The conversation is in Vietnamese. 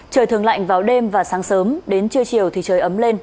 trời thường lạnh vào đêm và sáng sớm đến trưa chiều thì trời ấm lên